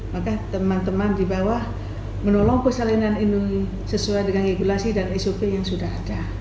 maka teman teman di bawah menolong persalinan ini sesuai dengan regulasi dan sop yang sudah ada